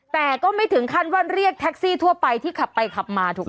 แต่ก็ไม่ถึงขั้นว่าเรียกแท็กซี่ทั่วไปที่ขับไปขับมาถูกไหม